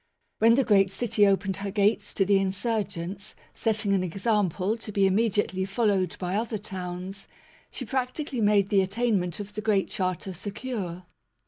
When the great city opened her gates to the insur gents, setting an example to be immediately followed by other towns, she practically made the attainment of the Great Charter secure.